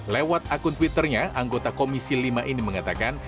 lewat akun twitternya anggota komisi lima ini mengatakan